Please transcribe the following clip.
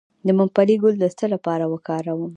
د ممپلی ګل د څه لپاره وکاروم؟